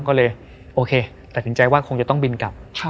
ก็เลยโอเคตัดสินใจว่าคงจะต้องบินกลับ